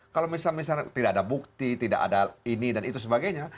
kalau misalnya tidak ada bukti tidak ada ini dan itu sebagainya